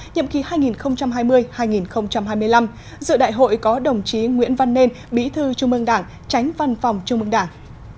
nhậm kỳ hai nghìn hai mươi hai nghìn hai mươi năm giữa đại hội có đồng chí nguyễn văn nên bỉ thư chung mương đảng tránh văn phòng chung mương đảng